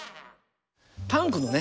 タンクのね